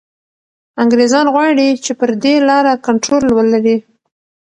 انګریزان غواړي چي پر دې لاره کنټرول ولري.